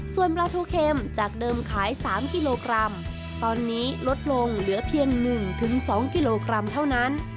ส่วนปลาทูเค็มจากเดิมขาย๓กิโลกรัมตอนนี้ลดลงเหลือเพียง๑๒กิโลกรัมเท่านั้น